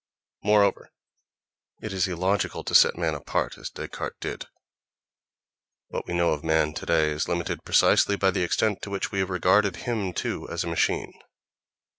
Moreover, it is illogical to set man apart, as Descartes did: what we know of man today is limited precisely by the extent to which we have regarded him, too, as a machine.